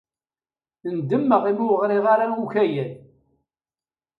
Ndemmeɣ imi ur ɣriɣ ara i ukayad.